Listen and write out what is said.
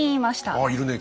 ああいるねえ